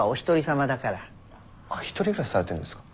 １人暮らしされてるんですか？